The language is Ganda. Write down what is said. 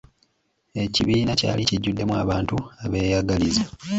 Ekibiina kyali kijjuddemu abantu abeeyagaliza.